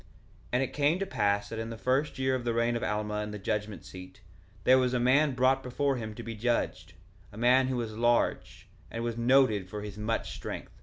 1:2 And it came to pass that in the first year of the reign of Alma in the judgment seat, there was a man brought before him to be judged, a man who was large, and was noted for his much strength.